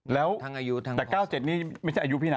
แล้วแต่๙๗นี่ไม่ใช่อายุพี่นะ